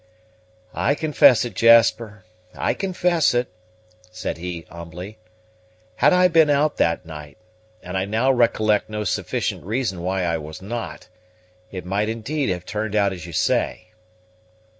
"I confess it, Jasper, I confess it," said he humbly. "Had I been out that night, and I now recollect no sufficient reason why I was not, it might, indeed, have turned out as you say."